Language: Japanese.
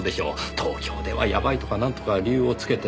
東京ではやばいとかなんとか理由をつけて。